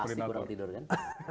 pasti kurang tidur kan